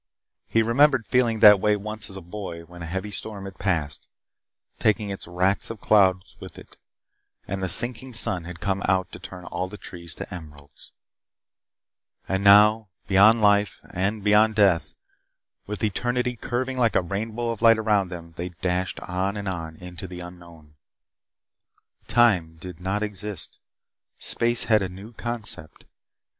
He remembered feeling that way once as a boy when a heavy storm had passed, taking its wracks of clouds with it, and the sinking sun had come out to turn all the trees to emeralds. And now, beyond life, and beyond death, with eternity curving like a rainbow of light around them, they dashed on and on into the unknown. Time did not exist. Space had a new concept.